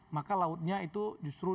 maka lautnya itu justru